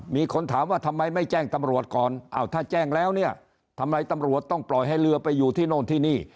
มีคนถามว่าทำไมไม่แจ้งตำรวจก่อนอ้าวถ้าแจ้งแล้วเนี่ยทำไมตำรวจต้องปล่อยให้เรือไปอยู่ที่โน่นที่นี่